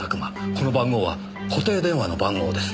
この番号は固定電話の番号です。